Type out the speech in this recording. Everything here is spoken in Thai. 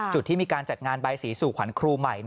จุดที่มีการจัดงานใบสีสู่ขวัญครูใหม่